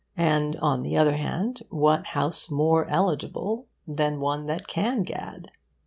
And, on the other hand, what house more eligible than one that can gad?